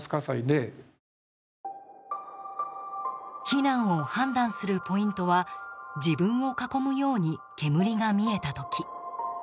避難を判断するポイントは自分を囲むように煙が見えた時。